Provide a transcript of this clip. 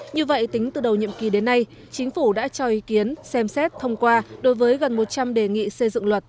như vậy tính từ đầu nhiệm kỳ đến nay chính phủ đã cho ý kiến xem xét thông qua đối với gần một trăm linh đề nghị xây dựng luật